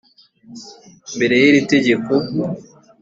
mbere y iri tegeko